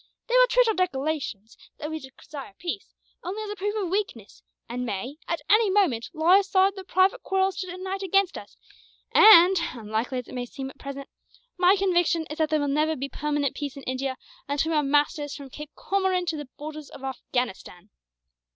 They will treat our declarations, that we desire peace, only as a proof of weakness; and may, at any moment, lay aside their private quarrels to unite against us; and, unlikely as it may seem at present, my conviction is that there will never be permanent peace in India until we are masters from Cape Comorin to the borders of Afghanistan.